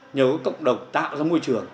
nhờ có cộng đồng tạo ra môi trường